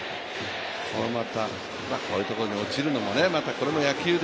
こういうところに落ちるのも、これも野球で。